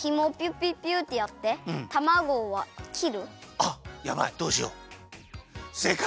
あっやばいどうしようせいかい。